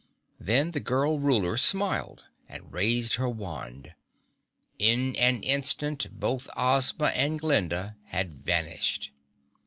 Then the girl Ruler smiled and raised her wand. In an instant both Ozma and Glinda had vanished.